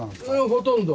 ほとんど。